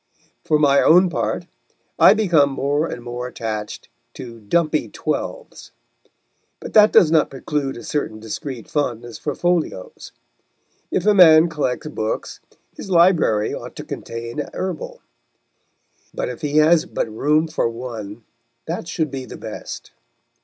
For my own part, I become more and more attached to "dumpy twelves"; but that does not preclude a certain discreet fondness for folios. If a man collects books, his library ought to contain a Herbal; and if he has but room for one, that should be the best.